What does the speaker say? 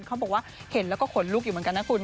เขาบอกว่าเห็นแล้วก็ขนลุกอยู่เหมือนกันนะคุณ